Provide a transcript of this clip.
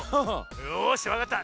よしわかった！